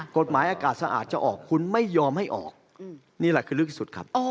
กฎหมายอากาศสะอาดจะออกคุณไม่ยอมให้ออกนี่แหละคือลึกที่สุดครับ